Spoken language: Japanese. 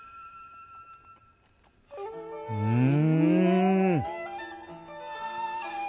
うん！